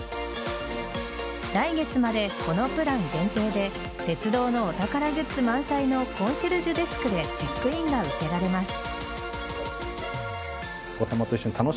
来月まで、このプラン限定で鉄道のお宝グッズ満載のコンシェルジュデスクでチェックインが受けられます。